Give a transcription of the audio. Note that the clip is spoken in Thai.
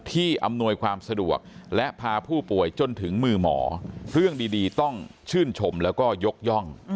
อำนวยความสะดวกและพาผู้ป่วยจนถึงมือหมอเรื่องดีต้องชื่นชมแล้วก็ยกย่อง